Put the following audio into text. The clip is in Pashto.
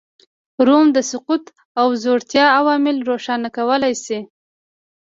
د روم د سقوط او ځوړتیا عوامل روښانه کولای شو